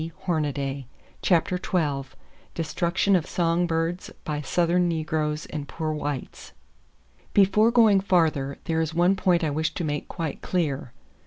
[Page 105] CHAPTER XII DESTRUCTION OF SONG BIRDS BY SOUTHERN NEGROES AND POOR WHITES Before going farther, there is one point that I wish to make quite clear.